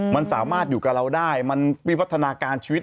มันสามารถอยู่กับเราได้มันวิวัฒนาการชีวิต